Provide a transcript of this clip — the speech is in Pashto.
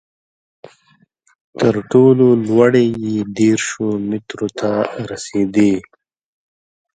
تر ټولو لوړې یې دېرشو مترو ته رسېدې.